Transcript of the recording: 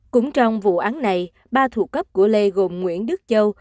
cũng trong vụ án này ba thuộc cấp của lê gồm nguyễn đức châu